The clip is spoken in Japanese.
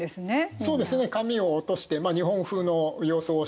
そうですね髪を落として日本風の様相をしてますね。